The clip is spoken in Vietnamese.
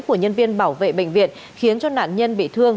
của nhân viên bảo vệ bệnh viện khiến cho nạn nhân bị thương